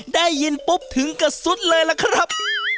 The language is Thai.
ได้ยินปุ๊บถึงกระซุดเลยล่ะครับ